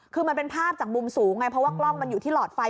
คือมันเป็นภาพจากมุมสูงไงเพราะว่ากล้องมันอยู่ที่หลอดไฟ